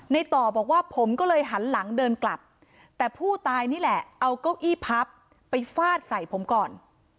ในต่อบอกว่าผมก็เลยหันหลังเดินกลับแต่ผู้ตายนี่แหละเอาเก้าอี้พับไปฟาดใส่ผมก่อน